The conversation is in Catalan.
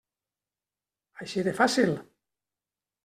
Així de fàcil.